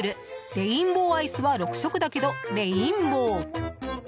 レインボーアイスは６色だけどレインボー。